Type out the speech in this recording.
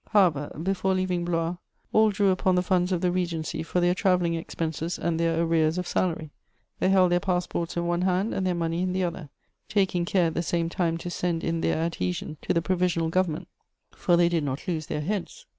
However, before leaving Blois, all drew upon the funds of the Regency for their travelling expenses and their arrears of salary; they held their passports in one hand and their money in the other, taking care at the same time to send in their adhesion to the Provisional Government, for they did not lose their heads.